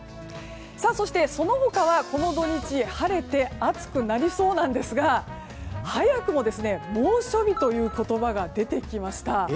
そして、その他はこの土日晴れて暑くなりそうなんですが早くも猛暑日という言葉が出てきました。